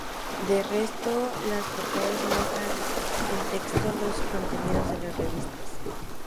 De resto, las portadas muestran en texto los contenidos de la revista.